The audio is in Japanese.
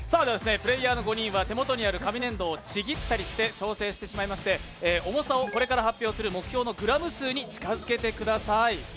プレーヤーの５人は手元にある紙粘土をちぎったりして調整していただいて、重さをこれから発表する目標のグラム数に近づけてください。